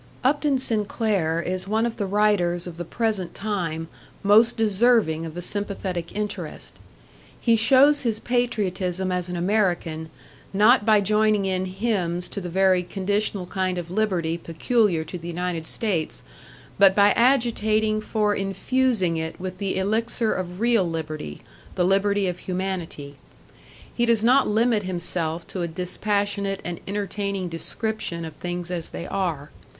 Upton Sinclair is one of the writers of the present time most deserving of a sympathetic interest. He shows his patriotism as an American, not by joining in hymns to the very conditional kind of liberty peculiar to the United States, but by agitating for infusing it with the elixir of real liberty, the liberty of humanity. He does not limit himself to a dispassionate and entertaining description of things as they are.